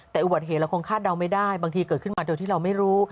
แต่อุบัติเหตุเราคงคาดเดาไม่ได้บางทีเกิดขึ้นมาโดยที่เราไม่รู้